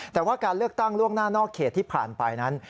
แต่ว่าการเลือกตั้งล่วงหน้านอกเขตที่ผ่านไปนั้น